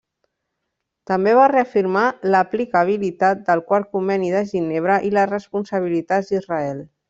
També va reafirmar l'aplicabilitat del Quart Conveni de Ginebra i les responsabilitats d'Israel.